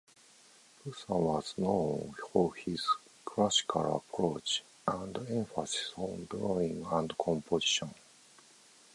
Poussin was known for his classical approach and emphasis on drawing and composition.